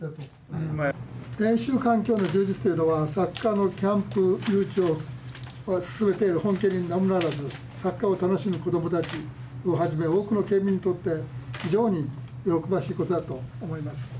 練習環境の充実というのはサッカーのキャンプ誘致を進めている本件にかかわらずサッカーを楽しむ子どもたちをはじめ、多くの県民にとって非常に喜ばしいことだと思っています。